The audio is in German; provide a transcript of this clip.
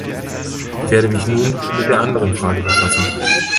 Ich werde mich nun mit der anderen Frage befassen.